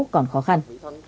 còn khó khăn